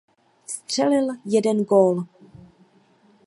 Vstřelil jeden gól.